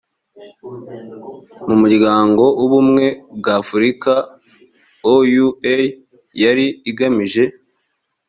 mu muryango w ubumwe bw afurika oua yari igamije